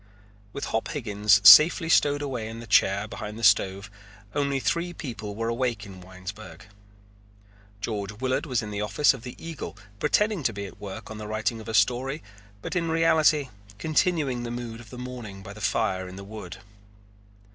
With Hop Higgins safely stowed away in the chair behind the stove only three people were awake in Winesburg. George Willard was in the office of the Eagle pretending to be at work on the writing of a story but in reality continuing the mood of the morning by the fire in the wood.